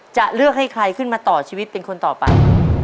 จะเลือกให้ใครขึ้นมาต่อชีวิตเป็นคนต่อไป